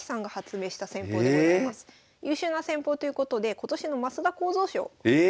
優秀な戦法ということで今年の升田幸三賞を受賞しました。